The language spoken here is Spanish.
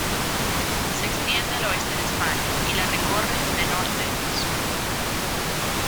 Se extiende al oeste de España, y la recorre de norte a sur.